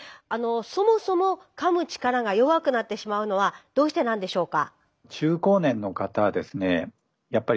そもそもかむ力が弱くなってしまうのはどうしてなんでしょうか？